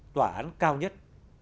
tòa án cao nhất